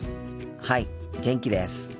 はい元気です。